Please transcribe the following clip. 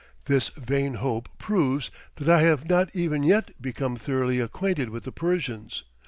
This vain hope proves that I have not even yet become thoroughly acquainted with the Persians.